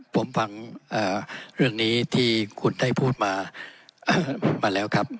ผมฟังเรื่องนี้ที่คุณได้พูดมาแล้วครับ